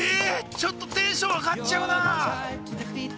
ちょっとテンション上がっちゃうな。